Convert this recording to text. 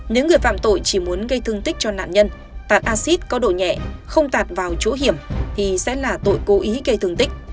nếu người phạm tội chỉ muốn gây thương tích cho nạn nhân tạt acid có độ nhẹ không tạt vào chỗ hiểm thì sẽ là tội cố ý gây thương tích